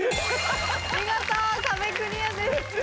見事壁クリアです。